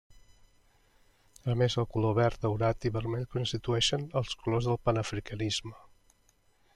A més, els colors verd, daurat i vermell constitueixen els colors del panafricanisme.